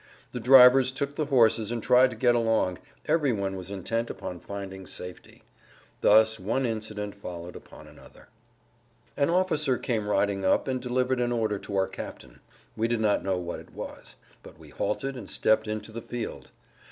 The drivers took the horses and tried to get along; every one was intent upon finding safety. Thus one incident followed upon another. An officer came riding up and delivered an order to our captain. We did not know what it was. But we halted and stepped into the field.